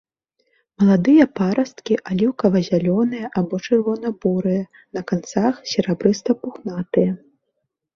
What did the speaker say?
Маладыя парасткі аліўкава-зялёныя або чырвона-бурыя, на канцах серабрыста-пухнатыя.